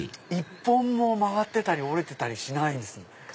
１本も曲がってたり折れてたりしない。